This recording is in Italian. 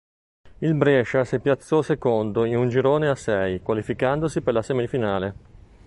Il Brescia si piazzò secondo in un girone a sei, qualificandosi per la semifinale.